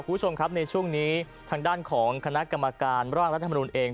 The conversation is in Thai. คุณผู้ชมครับในช่วงนี้ทางด้านของคณะกรรมการร่างรัฐมนุนเอง